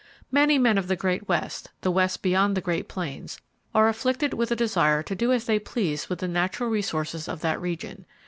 Many men of the Great West,—the West beyond the Great Plains,—are afflicted with a desire to do as they please with the natural resources of that region.